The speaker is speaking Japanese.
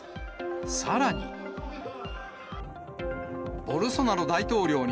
さらに。